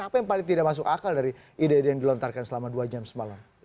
apa yang paling tidak masuk akal dari ide ide yang dilontarkan selama dua jam semalam